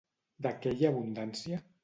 De què hi ha abundància?